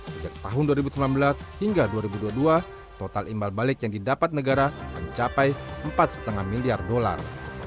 sejak tahun dua ribu sembilan belas hingga dua ribu dua puluh dua total imbal balik yang didapat negara mencapai empat lima miliar dolar